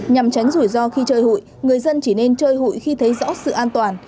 nhằm tránh rủi ro khi chơi hụi người dân chỉ nên chơi hụi khi thấy rõ sự an toàn